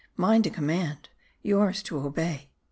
Mine to command : yours to obey.